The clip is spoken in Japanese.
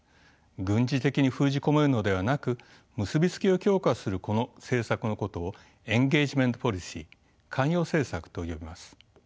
軍事的に封じ込めるのではなく結び付きを強化するこの政策のことをエンゲージメント・ポリシー関与政策と呼びます。